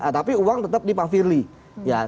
tapi uang tetap di pak firly